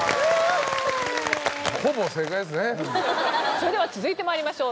それでは続いて参りましょう。